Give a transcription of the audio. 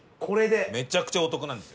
めちゃくちゃお得なんです。